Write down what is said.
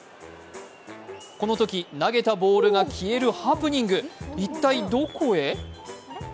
このとき、投げたボールが消えるハプニング、一体どこへ？